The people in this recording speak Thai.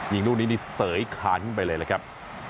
ยิงลูกนี้นี่เสยคานขึ้นไปเลยล่ะครับ